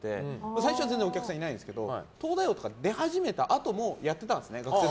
最初は全然お客さんいないんですけど「東大王」に出始めたあともやってたんですね。